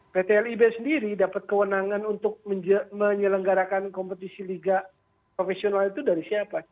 pt lib sendiri dapat kewenangan untuk menyelenggarakan kompetisi liga profesional itu dari siapa